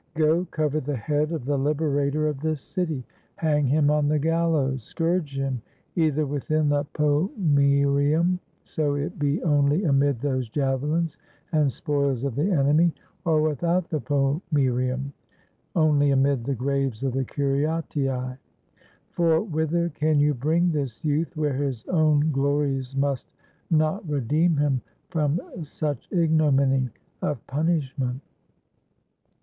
Go, cover the head of the liberator of this city; hang him on the gallows; scourge him, either within the pomcerium, so it be only amid those javelins and spoils of the enemy; or without the pomcerium, only amid the graves of the Curiatii. For whither can you bring this youth, where his own glories must not redeem him from such ignominy of punish ment?"